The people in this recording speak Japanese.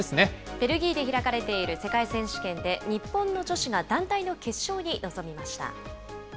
ベルギーで開かれている世界選手権で、日本の女子が団体の決勝に臨みました。